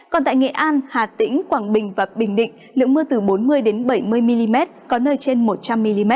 còn tại nghệ an hà tĩnh quảng bình và bình định lượng mưa từ bốn mươi bảy mươi mm có nơi trên một trăm linh mm